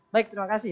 baik terima kasih